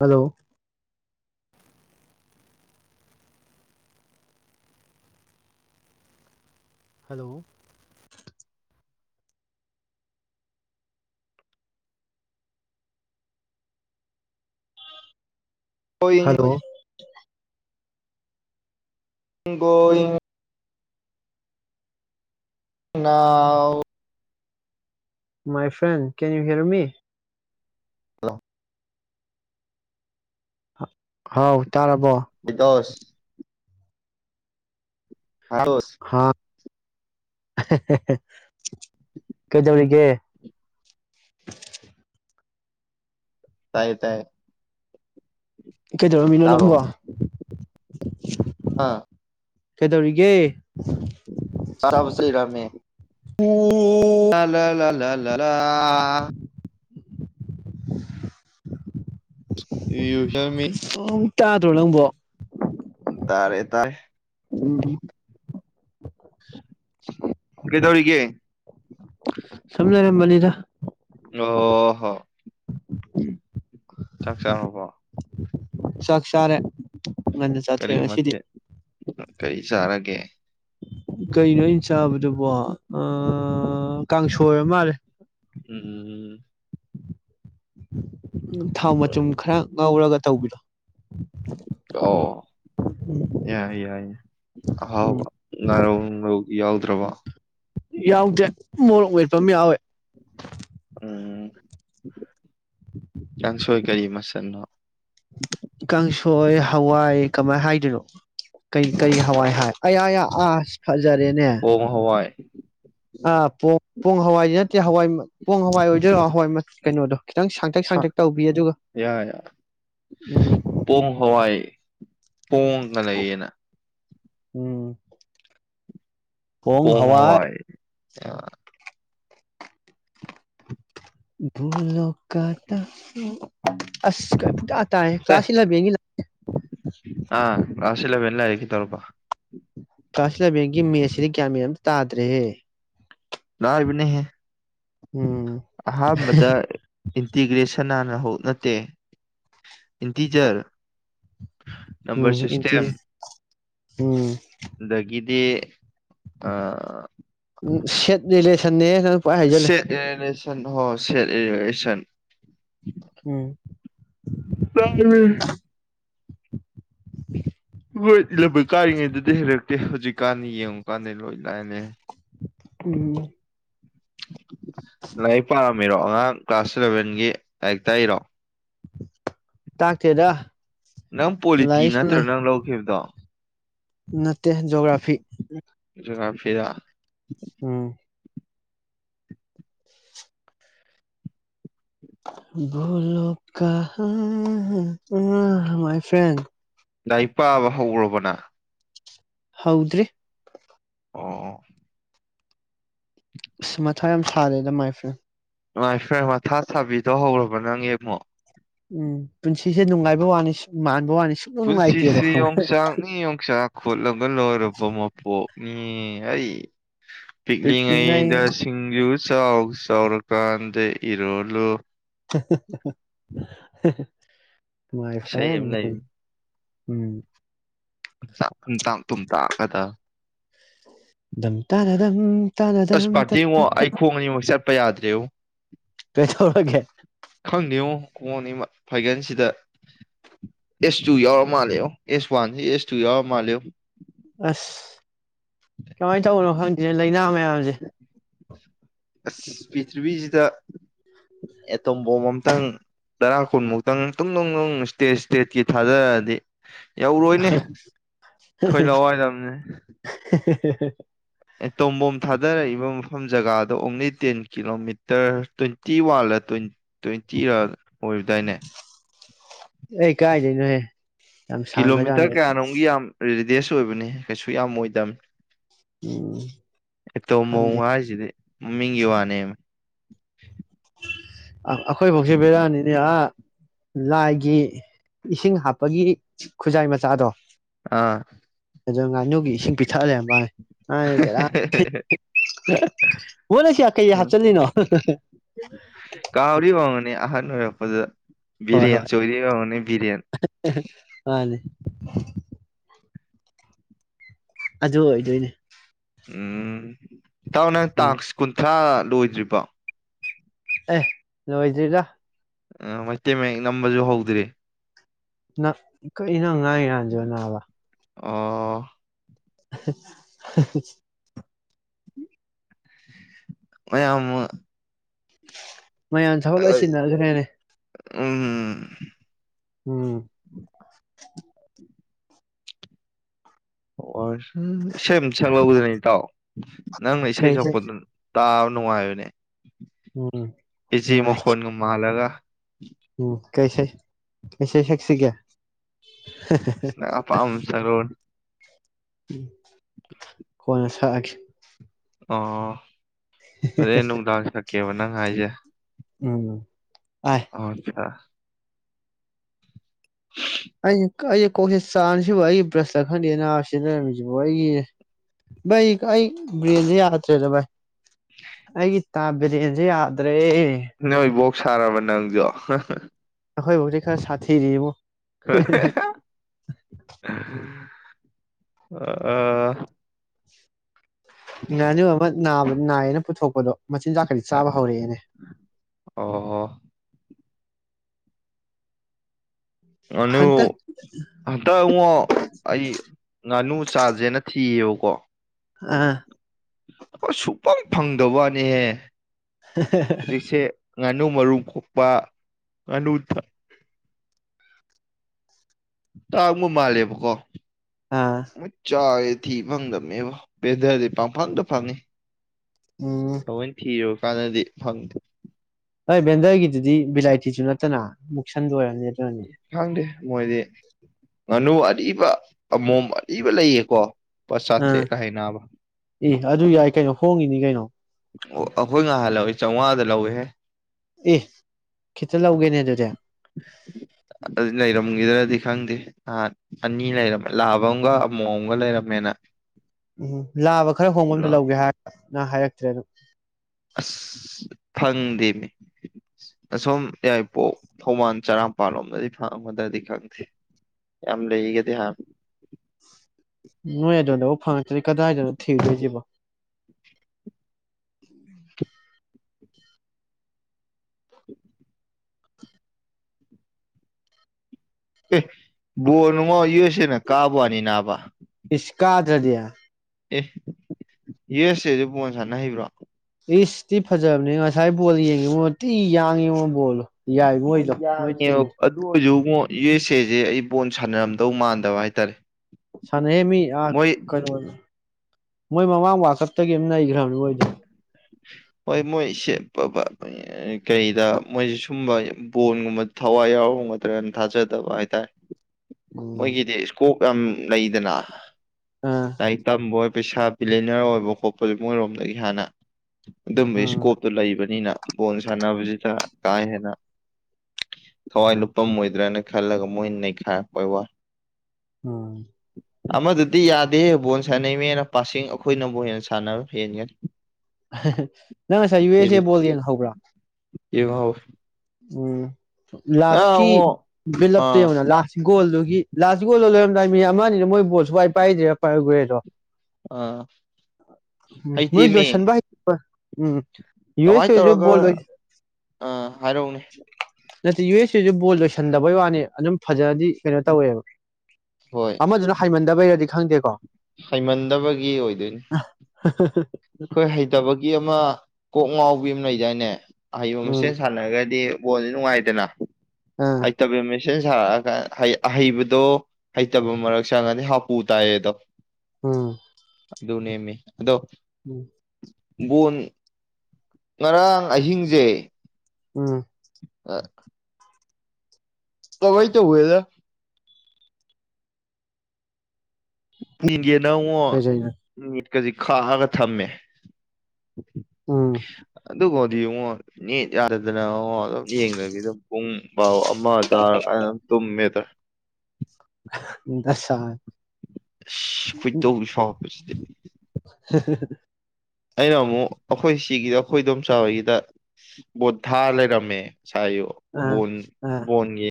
Hello hello going hello ꯏꯨꯡꯒꯣ ꯏ ꯅꯅꯥ my friend can you hear me hello ꯍꯥꯎ ꯇꯥꯔꯕꯣ ꯕꯤꯗꯣꯁ ꯑꯗꯣꯁ ꯍꯥ ꯀꯩꯗꯧꯔꯤꯒꯦ ꯇꯥꯏꯌꯦ ꯇꯥꯏꯌꯦ ꯀꯩꯗꯧꯔꯝꯃꯤꯅꯣ ꯇꯥꯕ꯭ꯔꯣ ꯅꯪꯀꯣ [unintelligible] ꯑꯥ ꯀꯩꯗꯧꯔꯤꯒꯦ ꯁꯔꯥꯁꯍꯤꯔꯃꯦ ꯎꯝ ꯂꯥ ꯂ ꯂ ꯂ ꯂꯥ [unintelligible] ꯑꯦ ꯔꯃꯤ ꯇꯥ ꯇꯂꯕꯣ ꯇꯔ ꯑꯦ ꯇ ꯎꯝ ꯀꯩꯗꯧꯔꯤꯒꯦ ꯁꯖꯔꯦ ꯌꯥꯝ ꯃꯅꯤꯗ ꯑꯣ ꯍꯣ ꯆꯥꯛ ꯆꯥ ꯍꯕꯣ ꯆꯁꯥꯔꯦ ꯉꯟꯟꯅ ꯀꯔꯤ ꯆꯥꯊꯣꯛꯑꯦ ꯉꯁꯤꯗꯤ ꯃꯊꯦꯜ ꯀꯔꯤ ꯆꯥꯔꯒꯦ ꯀꯩꯅꯣ ꯑꯩꯅ ꯆꯥꯕꯗꯨꯕꯣ ꯀꯥꯡꯁꯣꯏ ꯃꯥꯜꯂꯦ ꯎꯝ ꯎꯝ ꯎꯝ ꯊꯥꯎ ꯃꯆꯨꯝ ꯈꯔ ꯉꯧꯔꯒ ꯇꯧꯕꯤꯔꯣ ꯑꯣ ꯌꯥꯏ ꯌꯥꯏ ꯍꯥꯎ ꯎꯝ ꯉꯔꯣ ꯌꯥꯎꯗ꯭ꯔꯕ ꯌꯥꯎꯗꯦ ꯃꯣꯔꯣꯛ ꯃꯠꯄ ꯑꯃ ꯌꯥꯎꯋꯦ ꯌꯥꯝ ꯁꯣꯏ ꯀꯔꯤ ꯃꯁꯅꯣ ꯀꯥꯡꯪꯁꯣꯏ ꯍꯋꯥꯏ ꯀꯃꯥꯏꯅ ꯍꯥꯏꯗꯣꯏꯅꯣ ꯀꯩ ꯀꯔꯤ ꯍꯋꯥꯏ ꯍꯥꯏ ꯑ ꯑ ꯑ ꯑꯥ ꯑꯣ ꯃ ꯍꯣ ꯋꯥꯏ ꯑ ꯄ ꯄꯣꯡ ꯍꯋꯥꯏꯗꯤ ꯅꯠꯇꯦ ꯍꯋꯥꯏ ꯄꯣꯡ ꯍꯋꯥꯏ ꯑꯣꯏꯗꯣꯏꯔꯣ ꯍꯋꯥꯏ ꯀꯩꯅꯣꯗꯣ ꯈꯤꯇꯪ ꯁꯥꯡꯇꯛ ꯁꯥꯡꯇꯛ ꯇꯧꯕꯤ ꯑꯗꯨꯒ ꯄꯣꯝ ꯍꯋꯥꯏ ꯄꯣꯡꯒ ꯂꯩꯌꯦꯅ ꯎꯝ ꯄꯣꯡ ꯍꯋꯥꯏ ꯄꯣꯉꯋꯥꯏ ꯑ ꯊ ꯂꯣꯛꯇ ꯑꯁ ꯀ ꯑ ꯑꯁꯤꯂꯕ ꯥꯏꯛ ꯇꯧꯔꯄ ꯀꯁꯤꯂꯕꯦꯡꯒꯤ ꯃꯦꯁꯤꯗꯤ ꯀꯌꯥꯃ ꯇꯥꯗ꯭ꯔꯦꯍꯦ ꯂꯥꯔꯕꯤꯅꯤꯍ ꯎꯝ ꯑ ꯃ ꯏꯟꯇꯤꯒ꯭ꯔꯦꯁꯟ ꯁꯅꯥꯟꯅ ꯅꯠꯇꯦ ꯏꯟꯇꯤꯖꯔ ꯎꯝ ꯅꯝꯕꯝꯕꯔ ꯏꯟꯇꯤ ꯁꯤꯁꯇꯦꯝ ꯎꯝ ꯗꯒꯗꯤ ꯑ ꯁꯦꯠ ꯔꯤꯂꯦꯁꯟꯟꯅꯦ [inaudible] ꯍ ꯁ ꯑꯦꯔꯤꯒꯁꯟ ꯎꯝ ꯑ [inaudible] ꯍꯣꯏ ꯏ ꯂꯕꯣꯏ ꯀꯥꯔꯤꯉꯩꯗꯨꯗꯤ ꯍꯩꯔꯛꯇꯦ ꯍꯧꯖꯤꯛ ꯀꯥꯟꯗꯤ ꯌꯦꯡꯉꯨꯀꯥꯟꯅꯦ ꯂꯣꯏ ꯂꯥꯛꯑꯅꯦ ꯎꯝ ꯂꯩ ꯄ ꯇꯝꯕꯤꯔꯛꯣ ꯑꯉꯥꯡ ꯀ꯭ꯂꯥꯁ ꯏꯂꯚꯦꯟꯒꯤ ꯂꯛꯇꯥꯛꯏꯔꯣ ꯇꯥꯛꯇꯦꯗ ꯅꯪ ꯄꯣꯂꯤꯇꯤ ꯅꯠꯇ꯭ꯔꯥ ꯅꯪ ꯂꯧꯈꯤꯕꯗꯣ ꯅꯠꯇ ꯣꯒ꯭ꯔꯥꯐꯤ ꯐꯤꯔ ꯂꯣ ꯀ ꯑ ꯃꯥꯏ ꯐ꯭ꯔꯦꯟ ꯗꯥꯏ ꯄꯥꯕ ꯍꯧꯔꯕꯅ ꯍꯧꯗ꯭ꯔꯤ ꯑꯣ ꯑꯁ ꯃꯊꯥ ꯌꯥꯝ ꯁꯥꯔꯦꯗ ꯃꯥꯏꯐꯁꯦ ꯅꯨꯡꯉꯥꯏꯈ꯭ꯔꯦ ꯃꯊꯥ ꯁꯥꯕꯤꯗꯣ ꯍꯧꯔꯕ ꯅꯪꯒꯤ ꯑꯃꯨꯛ ꯎꯝ ꯄꯨꯟꯁꯤꯁꯦ ꯅꯨꯡꯉꯥꯏꯕ ꯋꯥꯅꯤ ꯁꯤꯟꯃꯥꯅꯤ ꯄꯨꯟꯁꯤꯁꯦ ꯌꯣꯡꯆꯥꯛꯅꯤ ꯌꯣꯡꯆꯥꯛ ꯈꯣꯠꯂꯒ ꯂꯣꯏꯔꯕ ꯃꯄꯣꯛ ꯎꯝ ꯍꯩ ꯄꯤꯛꯂꯤꯉꯩ ꯄꯤꯛꯂꯤꯉꯩꯗ ꯁꯤꯡꯖꯨ ꯆꯥꯎ ꯆꯥꯎꯔꯀꯥꯟꯗ ꯏꯔꯣꯜꯂꯨ [unintelligible] ꯅꯨꯉꯥꯏꯈ꯭ꯔꯦ ꯏꯁꯩ ꯑꯃ ꯅꯪ ꯎꯝ [unintelligible] ꯇꯨꯝ ꯇꯥꯡ ꯀꯥꯏꯗ ꯗꯝ ꯇꯥꯔꯔꯝ ꯑꯁ ꯄꯥꫪꯇꯤꯉꫭ ꯑꯩ ꯈꯣꯡ ꯑꯅꯤꯃꯛ ꯆꯠꯄ ꯌꯥꯗ꯭ꯔꯦꯉꫭ ꯀꯩꯗꯧꯔꯒꯦ ꯈꯪꯗꯦꯉꯣ ꯈꯣꯡ ꯑꯅꯤꯃꯛ ꯐꯥꯏꯒꯜꯁꯤꯗ ꯑꯦꯁ ꯇꯨ ꯌꯥꯎꯔ ꯃꯥꯜꯂꯦꯉꫭ ꯑꯦꯁ ꯋꯥꯟꯁꯤ ꯑꯦꯁ ꯇꯨ ꯌꯥꯎꯔ ꯃꯥꯜꯂꯦꯉꫭ ꯑꯁ ꯀꯃ ꯥꯏ ꯇꯧꯕꯅꫭ ꯈꯪ ꯂꯩꯅꯥ ꯃꯌꯥꯝꯁꯦ ꯑꯁ ꯄꯤꯊ꯭ꯔꯤꯕꯤꯁꯤꯗ ꯑꯦꯇꯣꯝꯕꯣꯝ ꯑꯝꯇꯪ ꯇꯔꯥ ꯀꯨꯟꯃꯨꯛꯇꯪ ꯇꯨꯡ ꯅꯨꯡ ꯅꯨꯡ ꯏꯁꯇꯦꯠ ꯏꯁꯇꯦꯠꯀꯤ ꯊꯥꯗꯔꯛꯑꯗꯤ ꯌꯧꯔꯣꯏꯅꯦ ꯑꯩꯈꯣꯏ ꯂꯋꯥꯏꯗꯗꯤ [unintelligible] ꯑꯦ ꯇꯣꯝꯕꯣꯝ ꯊꯥꯗꯔꯛꯏꯕ ꯃꯐ ꯐꯝ ꯖꯒꯥꯗꫭ ꯑꯣꯡꯂꯤ ꯇꯦꯟ ꯀꯤꯂꯣꯃꯤꯇꫪ ꯇ꯭ꯋꯦꯟꯇꯤ ꯋꯥꯟꯂ ꯇ꯭ꯋꯦꯟ ꯇ꯭ꯋꯦꯟꯇꯤꯔ ꯑꯣꯏꯕꯗꯥꯏꯅꯦ ꯑꯩ ꯀꯥꯏꯗꯅꯣꯍꯦ ꯌꯥꯝ ꯁꯥꯡꯈ꯭ꯔꯖꯥꯠꯅꯤ ꯗꯦꯁ ꯑꯣꯏꯕꯅꯤ ꯀꯩꯁꯨ ꯌꯥꯝ ꯑꯣꯏꯗꯕꯅꯤ ꯎꯝ ꯑꯦꯇꯣꯝ ꯕꫭꯝ ꯈꯪꯗꯦ ꯍꯥꯏꯁꯤꯗꯤ ꯃꯃꯤꯡꯒꯤ ꯋꯥꯅꯦ [unintelligible] ꯑꯩꯈꯣꯏꯕꫭꯛꯁꯦ ꯕꯤꯔꯌꯥꯅꯤꯅꯦ ꯑ ꯂꯥꯏꯒꯤ ꯏꯁꯤꯡ ꯍꯥꯞꯄꯒꯤ ꯈꯨꯖꯥꯏ ꯃꯆꯥꯗꯣ ꯑꯥ ꯑꯗꯣ ꯉꯥꯅꯨꯒꯤ ꯏꯁꯤꯡ ꯄꯤꯊꯛꯑ ꯂꯩꯔꯝꯕꯥꯅꯤ ꯑꯍꯟꯖꯦ ꯕꯦꯔꯥꯅꯤ ꯕꫭꯛ ꯅꯪ ꯁꯤꯗ ꯀꯩ ꯍꯥꯞꯆꯜꯂꯤꯅꯣ ꯀꯥꯎꯔꯤ ꯋꯥꯉꯅꯤ ꯑꯍꯅ ꯑꯣꯏꯔꯄꯗ ꯍꯣꯏ ꯍꯣꯏ ꯕꯤꯔꯌꯥꯅꯤ ꯆꯧꯔꯤꯒꯅꯤ ꯕꯤꯔꯌꯥꯅꯤ [inaudible] ꯑꯖꯑꯣꯁꯨꯣꯏꯅꯦ ꯎꯝ ꯇ ꯑꯣꯅ ꯎꯝ ꯇꯥꯡ ꯁꯀꯨꯟꯊ꯭ꯔꯥ ꯂꯣꯏꯗ꯭ꯔꯤꯕ ꯑꯦ ꯅꯣꯏꯗꯔꯤꯗ ꯑ ꯃ ꯃ ꯅꯝꯕꯁꯨ ꯍꯧꯧꯗ꯭ꯔꯤ ꯅꯪ ꯀꯩꯅꯣ ꯉꯥꯡꯉꯤ ꯀꯥꯟꯁꯤꯕꯣ ꯅꯥꯕ ꯑ [inaudible] ꯃꯌꯥꯝ ꯑꯃ ꯎ ꯃꯌꯥꯝ ꯁꯍꯠꯂꯣꯏꯁꯤꯟꯅꯈ꯭ꯔꯦꯅꯦ ꯎꯝꯝ ꯎꯝ ꯑꯣ ꯎ ꯏꯁꯩ ꯁ ꯂꯧꯗꯅꯤꯠꯇꯥꯎ ꯎ ꯅꯪ ꯏꯁꯩꯁꯥꯏ ꯀꯩꯁꯩ ꯆꯄꯠꯇ ꯇꯅꯅꯨꯡꯉꯅꯦ ꯎꯝ ꯏꯆꯦ ꯅꯨꯡꯉꯥꯏ ꯃꯈꯣꯟꯒꯃꯂꯒ ꯎꯝ ꯀꯩꯁ ꯀꯩꯁꯩꯁꯦꯛꯁꯤꯒ ꯁꯉ ꯄꯝ ꯆꯔꯣꯟ ꯀꯣꯏꯅꯁꯤ ꯊ ꯑꯥ ꯑꯗꯨꯅꯅꯨꯡꯗ ꯀꯦꯕ ꯅꯪ ꯍꯥꯏꯁꯦ ꯎꯝ ꯑꯥꯏ ꯑꯗ ꯍ ꯑꯩꯁ ꯑꯩꯁꯦ ꯀꯣꯛꯁꯦ ꯆꯥꯁꯤꯕꯨ ꯑꯩꯒꯤ ꯕ꯭ꯔꯁꯇ ꯈꯪꯗꯦ ꯑꯅꯥ ꯁꯤꯖꯤꯟꯅꯔꯝꯃꯤꯁꯤꯕ ꯑꯩꯒꯤ ꯚꯩ ꯑꯩ ꯕ꯭ꯔꯦꯟꯁꯦ ꯌꯥꯗ꯭ꯔꯦꯗ ꯚꯥꯏ ꯑꯩꯒꯤ ꯕ꯭ꯔꯦꯟꯁꯦ ꯌꯥꯗ꯭ꯔꯦ ꯑꯩꯈꯣꯏꯕꯧꯗꯤ ꯅ ꯑꯣꯏꯕꯣꯛ ꯁꯥꯔꯕ ꯅꯪꯗꯣ ꯑꯩꯈꯣꯏꯕꯨ ꯍꯧꯖꯤꯛ ꯈꯔ ꯁꯥꯊꯤꯔꯤꯕꯨ [inaudible] ꯑ ꯑ ꯅꯅꯤ ꯑꯍꯃꯗ ꯅ ꯅꯥꯏꯌꯦꯅ ꯄꯨꯊꯣꯛꯄꯗꯣ ꯃꯆꯤꯟꯖꯥꯛ ꯈꯗꯤ ꯆꯥꯕ ꯍꯧꯔꯛꯑꯦꯅꯦ ꯑꯣ ꯉꯥꯅꯨ ꯍꯟꯇꯛ ꯍꯟꯇ ꯏꯉꯣ ꯑꯩ ꯉꯥꯅꯨ ꯆꯥꯖꯦꯅ ꯊꯤꯌꯦꯕ ꯀꯣ ꯑꯥ ꯑꯩꯈꯣꯏ ꯁꯨꯐꯝꯪ ꯐꯪꯗ ꯋꯥꯅꯤꯍꯦ ꯍꯧꯖꯤꯛꯁꯦ [unintelligible] ꯉꯥꯅꯨ ꯃꯔꯨ ꯀꯣꯛꯄ ꯉꯥꯅꯨ ꯇꯥꯡꯕ ꯃꯥꯜꯂꯦꯕꯀꯣ ꯑꯥ ꯃ ꯆꯥ ꯊꯤ ꯐꯪꯗꯝꯕꯅꯦꯕ ꯕꯦꯗꯔꯗꯤ ꯄꯐꯪꯗ ꯐꯪꯉꯤ ꯎꯝ ꯑꯣꯏ ꯊꯣ ꯀꯥꯟꯅꯗꯤ ꯐꯪꯗꯦ ꯍꯣꯏ ꯕꯦꯟꯗꯔꯒꯤꯗꯨꯗꯤ ꯕꯤꯂꯥꯏꯇꯤꯁꯨ ꯅꯠꯇꯅ ꯃꯨꯛꯁꯟꯗ ꯑꯣꯏꯔꯕꯝꯅꯤ ꯈꯥꯡꯗꯦ ꯃꯣꯏꯗꯤ ꯉꯥꯅꯨ ꯑꯔꯤꯕ ꯑꯃꯣꯝ ꯑꯔꯤꯕ ꯂꯩꯌꯦꯀꯣ ꯂꯨꯄꯥ ꯑꯥ ꯆꯥꯇ꯭ꯔꯦꯠ ꯍꯥꯏ ꯅꯥꯕ ꯏ ꯑꯗꯨ ꯌꯥꯏ ꯀꯩꯅꯣ ꯍꯣꯡꯉꯤꯅꯤ ꯀꯩꯅꯣ ꯑꯣ ꯑꯩꯈꯣꯏ ꯉꯥꯏꯍꯥꯟ ꯂꯧꯏ ꯆꯥꯝꯃꯉꯥꯗ ꯂꯧꯏꯦꯍꯦ ꯑꯦ ꯈꯤꯇ ꯂꯧꯒꯦꯅꯦ ꯑꯗꯨꯗꯤ ꯇꯝꯈꯤꯗ꯭ꯔꯗꯤ ꯈꯪꯗꯦ ꯅꯍꯥꯟ ꯑꯅꯤ ꯂꯩꯔꯝ ꯂꯥꯑꯕ ꯑꯃꯒ ꯑꯃꯨꯛ ꯑꯝꯒ ꯂꯩꯔꯝꯃꯦꯅ ꯎꯝ ꯂꯥꯕ ꯈꯔ ꯍꯣꯡꯕ ꯑꯃꯁꯁꯨ ꯂꯧꯒꯦ ꯍꯥꯏꯔ ꯍꯥꯏꯔꯛ [unintelligible] [unintelligible] ꯐꯪꯗꯦ ꯃꯤ ꯑꯁꯣꯝ ꯌꯥꯏꯄꯣꯛ ꯊꯧꯃꯥꯟ ꯆꯔꯥꯄꯥꯜ ꯂꯣꯝꯗꯗꯤ ꯐꯪꯒꯗ꯭ꯔꯗꯤ ꯈꯪꯗꯦ ꯌꯥꯝ ꯂꯩꯒꯗꯤ ꯍꯥꯏꯕ ꯅꯣꯏ ꯑꯗꯨꯗꯕꯨ ꯐꯪꯉꯛꯇ꯭ꯔꯔꯤ ꯀꯗꯥꯏꯗꯅꯣ ꯊꯤꯗꯣꯏꯁꯤꯕꯣ ꯑꯦ ꯣꯅ ꯃꯥ ꯏꯁꯦ ꯀꯥꯕꯅꯤ ꯅꯥꯕꯥ ꯏꯁꯁꯀꯥꯗ꯭ꯔꯗꯌꯥ ꯑꯦ ꯌꯦꯁꯁꯦ ꯑꯗꯨ ꯄꯣꯟ ꯁꯥꯟꯅ ꯍꯩꯕ꯭ꯔꯣ ꯏꯁꯇꯤ ꯐꯖꯕꯅꯦ ꯉꯁꯥꯏ ꯕꯣꯜ ꯌꯦꯡꯉꯤꯕꯣ ꯇꯤ ꯌꯥꯡꯉꯤꯕꯣ ꯣꯂꯣ ꯌꯥꯏ ꯃꯣꯏꯗꯣ ꯃꯣꯏ ꯇꯤꯟ ꯌꯥꯡꯉꯦꯕ ꯑꯗꯨ ꯑꯣꯏꯔꯁꯨ ꯌꯨ ꯑꯦꯁ ꯑꯦꯁꯦ ꯑꯩ ꯕꯣꯟ ꯁꯥꯟꯅꯔꯝꯗꯧ ꯃꯥꯟꯗꯕ ꯍꯥꯏꯇꯥꯔꯦ ꯁꯅꯍꯃꯤ ꯑ ꯃꯣꯏ ꯀ ꯃꯣꯏ ꯃꯃꯥꯡ ꯋꯥꯀꯠꯇꯒꯤ ꯑꯃ ꯂꯩꯈ꯭ꯔ ꯍꯣꯏ ꯃꯣꯏꯁꯦ ꯀꯩꯗ ꯃꯣꯏꯁꯤ ꯁꯨꯝꯕ ꯕꯣꯟꯒꯨꯝꯕ ꯊꯋꯥꯏ ꯌꯥꯎꯔꯝꯒꯗ꯭ꯔꯅ ꯊꯥꯖꯗꯕ ꯍꯥꯏꯇꯥꯔꯦ ꯎꯝ ꯃꯣꯏꯒꯤꯗꯤ ꯏꯁꯀꯣꯛ ꯌꯥꯝ ꯂꯩꯗꯅ ꯑꯥ ꯇꯥꯏ ꯇꯝꯕꯣꯏ ꯄꯩꯁꯥ ꯕꯤꯂꯦꯅꯔ ꯑꯣꯏꯕ ꯈꯣꯠꯄꯁꯦ ꯃꯣꯏꯔꯣꯝꯗꯒꯤ ꯍꯥꯟꯅ ꯑꯗꯨꯝꯕ ꯎꯝ ꯏꯁꯀꯣꯞꯇꯨ ꯂꯩꯕꯅꯤꯅ ꯐꯨꯠꯕꯣꯜ ꯁꯥꯟꯅꯕꯁꯤꯗ ꯀꯥ ꯍꯦꯟꯅ ꯊꯋꯥꯏ ꯂꯨꯞꯄꯝꯃꯣꯏꯗ꯭ꯔꯅ ꯈꯜꯂꯒ ꯃꯣꯏ ꯅꯩꯈꯥꯏ ꯑꯣꯏ ꯋꯥ ꯎꯝ ꯑꯃꯗꯨꯗꯤ ꯌꯥꯗꯦ ꯕꯣꯜ ꯁꯥꯟꯅꯩꯅꯦꯅ ꯄꯁꯤꯡ ꯑꯩꯈꯣꯏꯅꯕꯨ ꯍꯦꯟꯅ ꯁꯥꯟꯅ ꯍꯦꯟꯒꯅꯤ ꯅꯪ ꯉꯁꯥꯏ ꯌꯨ ꯑꯦꯁ ꯑꯦ ꯕꯣꯜ ꯌꯦꯡ ꯍꯧꯕ꯭ꯔꯥ ꯌꯦꯡꯍꯧꯏ ꯎꯝ ꯂꯥꯁꯀꯤ ꯕꯤꯜ ꯂꯞꯇꯨ ꯑꯥ ꯌꯦꯡꯉꯨꯅ ꯂꯥꯁ ꯒꯣꯜꯗꯨꯒꯤ ꯂꯥꯁ ꯒꯣꯜꯗꯨ [unintelligible] ꯃꯤ ꯑꯃꯅꯤꯅꯤꯗꯨ ꯃꯣꯏ ꯕꯣꯜ ꯁꯨꯡ ꯄꯥꯏꯗ꯭ꯔꯦ [unintelligible] ꯑꯥ ꯃꯣꯏ ꯍꯩꯇꯦꯃꯤ ꯂꯣꯏꯁꯟꯕ ꯍꯩ ꯎꯝ ꯌꯨ ꯑꯦꯁ ꯀꯃꯥꯏꯅ ꯑꯦ ꯁꯨ ꯇꯧꯔꯒ ꯕꯣꯜ ꯂꯣꯏ ꯑꯥ ꯍꯥꯏꯔꯧꯅꯦ ꯅꯠꯇꯦ ꯌꯨ ꯑꯦꯁ ꯑꯦꯁꯨ ꯕꯣꯜ ꯂꯣꯏꯁꯟꯗꯕꯩ ꯋꯥꯅꯦ ꯑꯗꯨꯝ ꯐꯖꯗꯤ ꯀꯩꯅꯣ ꯇꯧꯋꯦꯕ ꯍꯣꯏ ꯑꯃꯗꯨꯅ ꯍꯥꯏꯃꯟ ꯗꯕꯩꯔꯗꯤ ꯈꯪꯗꯦꯀꯣ ꯍꯩꯃꯟꯗꯕꯒꯤ ꯑꯣꯏꯗꯣꯏꯅꯤ ꯑꯈꯣꯏ ꯍꯩꯇꯕꯒꯤ ꯑꯃ ꯀꯣꯛ ꯉꯥꯎ ꯀꯥꯎꯕꯤ ꯑꯃ ꯂꯩꯩꯗꯥꯏꯅꯦ? ꯑꯥꯍꯩꯕ ꯎꯝ ꯃꯁꯦꯟ ꯁꯥꯟꯅꯒ꯭ꯔꯗꯤ ꯕꯣꯜꯁꯤ ꯅꯨꯉꯥꯏꯗꯅ ꯑꯥ ꯍꯩꯇꯕꯤ ꯃ ꯁꯦꯟ ꯁꯥꯔꯛꯑꯀꯥꯟ ꯍꯩ ꯑꯍꯩꯕꯗꯣ ꯍꯩꯇꯕ ꯃꯔꯛ ꯆꯪꯉꯗꯤ ꯍꯥꯄꯨ ꯇꯥꯏꯌꯦꯗꯣ ꯎꯝ ꯑꯗꯨꯅꯦꯃꯤ ꯑꯗꯣ ꯎꯝ ꯕꯣꯟ ꯉꯔꯥꯡ ꯑꯍꯤꯡꯖꯦ ꯎꯝ [unintelligible] ꯀꯋꯥꯏ ꯇꯧ ꯋꯦꯗꯥ [unintelligible] ꯅꯡꯑꯣ ꯀꯩꯗꯩꯅꯣ ꯅꯨꯃꯤꯠ ꯀꯖꯤꯛ ꯈꯥꯛꯑꯒ ꯊꯝꯃꯦ ꯑꯝ ꯑꯗꯨꯐꯧꯗꯤ ꯌꯦꯡꯉꯣ ꯅꯦꯠ ꯌꯥꯗꯗꯅꯉꯣ ꯑꯗꯨꯝ ꯌꯦꯡꯗꯕꯤꯗ ꯄꯨꯡ ꯄꯥꯎ ꯑꯃ ꯇꯥꯔ ꯑꯗꯨꯝ ꯇꯨꯝꯃꯦꯗ ꯗꯥꯁꯟ ꯑꯁ ꯈꯣꯏꯗꯧ ꯁꯎꯕꯥꯁꯗꯤ [unintelligible] ꯑꯩꯅ ꯑꯃꯨꯛ ꯑꯈꯣꯏ ꯁꯤꯒꯤꯗ ꯑꯈꯣꯏ ꯗꯣꯝꯆꯥꯥ ꯈꯣꯏꯒꯤꯗ ꯕꯣ ꯊꯥ ꯂꯩꯔꯝꯃꯦ ꯁꯥꯌꯣ ꯑꯥ ꯕꯣꯟ ꯑꯥ ꯕꯣꯟꯒꯤ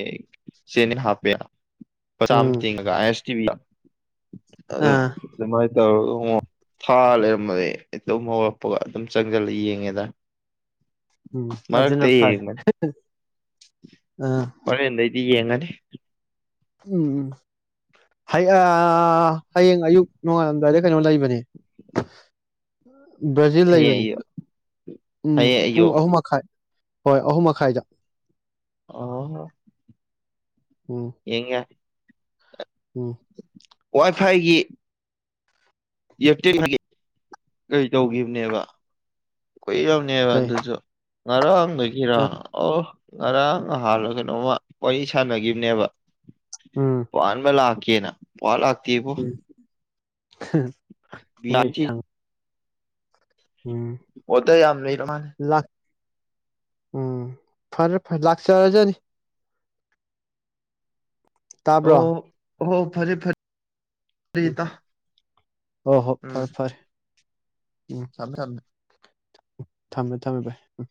ꯑꯛ ꯆꯦꯅꯤ ꯍꯞꯄꯦ ꯂꯨꯄꯥ ꯆꯥꯃꯥ ꯎꯝ ꯇꯤꯡꯑꯒ ꯑꯥꯏ ꯑꯦꯁ ꯇꯤ ꯚꯤ ꯗ ꯑꯗꯣ ꯑꯥ ꯑꯗꯨꯃꯥꯏ ꯇꯧꯔꯒ ꯉꯣ ꯊꯥ ꯂꯩꯔꯝꯕꯅꯦ ꯇꯨꯝ ꯍꯧꯒꯠꯂꯛꯄꯒ ꯑꯗꯨꯝ ꯆꯪꯁꯤꯜꯂ ꯌꯦꯡꯉꯦꯗ ꯎꯝ ꯑꯖꯤꯅ ꯐꯔꯦ [unintelligible] ꯑꯥ ꯍꯧꯔꯦꯟ ꯗꯩꯗꯤ ꯌꯦꯡꯉꯟ [unintelligible] ꯎꯝ ꯍꯌꯥ ꯍꯌꯦꯡ ꯑꯌꯨꯛ ꯅꯣꯡꯉꯥꯜꯂꯝꯗꯥꯏꯗ ꯀꯩꯅꯣ ꯂꯩꯕꯅꯦ ꯕ꯭ꯔꯥꯖꯤꯜ ꯍꯌꯦꯡ ꯂꯩꯕꯅꯤ ꯑꯌꯨꯛ ꯎꯝ ꯍꯌꯦꯡ ꯄꯨꯡ ꯑꯌꯨꯛ ꯑꯍꯨꯝ ꯃꯈꯥꯏ ꯍꯣꯏ ꯑꯍꯨꯝ ꯃꯈꯥꯏꯗ ꯑꯣ ꯎꯝ ꯌꯦꯉ ꯎꯝ ꯋꯥꯏ ꯐꯥꯏꯒꯤ ꯌꯦꯞꯇꯤꯡ ꯀꯔꯤ ꯇꯧꯈꯤꯕꯅꯦꯕ ꯀꯣꯏ ꯌꯥꯥꯎꯅꯤ ꯋꯥ ꯀꯩ ꯑꯗꯨꯁꯨꯣ ꯃꯔꯝ ꯂꯩ ꯀꯔ ꯑ ꯑꯣ ꯉꯔꯥꯡ ꯅꯍꯥꯟ ꯀꯩꯅꯣꯝꯃ ꯋꯥꯔꯤ ꯁꯥꯟꯅꯈꯤꯕꯅꯦꯕ ꯎꯝ ꯄꯅꯃꯦ ꯂꯥꯛ ꯀꯅ ꯄꯥ ꯂꯥꯛꯇ ꯏꯕꯣ ꯍꯝ ꯍꯣꯏ ꯁꯪ ꯎꯝ ꯑꯣꯏꯗ ꯌꯥꯝ ꯅꯔꯃꯦ ꯂꯥꯛ ꯎꯝ ꯐꯔꯦ ꯐꯔꯦ ꯂꯥꯛꯁꯔꯖꯅꯤ ꯑꯣ ꯇꯥꯕ꯭ꯔꯣ ꯑꯣ ꯐꯔꯦ ꯐꯔꯦ ꯐꯔꯤꯇꯥ ꯍ ꯍꯣ ꯐꯔꯦ ꯐꯔꯦ ꯎꯝ ꯁꯝꯃꯦ ꯁꯝꯃꯦ ꯊꯝꯃꯦ ꯊꯝꯃꯦ ꯚꯥꯏ ꯎ